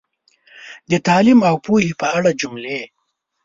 د تعلیم او پوهې په اړه جملې